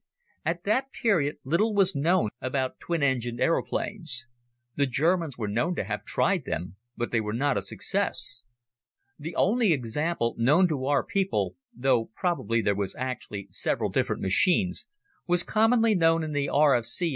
At that period little was known about twin engined aeroplanes. The Germans were known to have tried them, but they were not a success. The only example known to our people though probably there were actually several different machines was commonly known in the R.F.C.